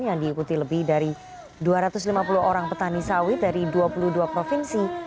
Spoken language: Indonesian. yang diikuti lebih dari dua ratus lima puluh orang petani sawit dari dua puluh dua provinsi